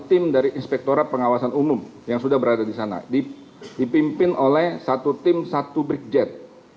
tim dari inspektorat pengawasan umum yang sudah berada di sana dipimpin oleh satu tim satu brigjen